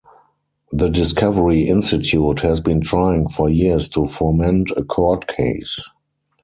The Discovery Institute has been trying for years to foment a court case.